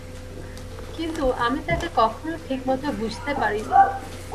কিন্তু, আমি তাকে কখনও ঠিক মতো বুঝতে পারি নি।